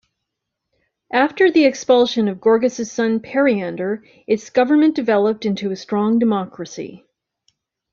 After the expulsion of Gorgus's son Periander its government developed into a strong democracy.